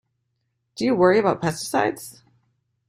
Do you worry about pesticides?